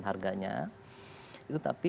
harganya itu tapi